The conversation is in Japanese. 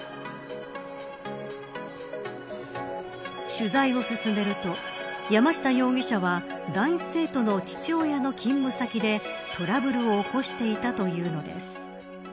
取材を進めると、山下容疑者は男子生徒の父親の勤務先でトラブルを起こしていたというのです。